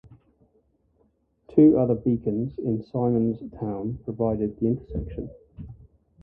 Two other beacons in Simon's Town provide the intersection.